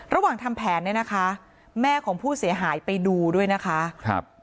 ทำแผนเนี่ยนะคะแม่ของผู้เสียหายไปดูด้วยนะคะครับ